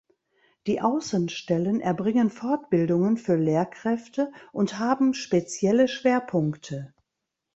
Die Außenstellen erbringen Fortbildungen für Lehrkräfte und haben spezielle Schwerpunkte.